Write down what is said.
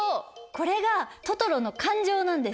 これがトトロの感情なんです。